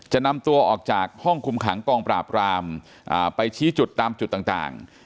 นำตัวออกจากห้องคุมขังกองปราบรามไปชี้จุดตามจุดต่าง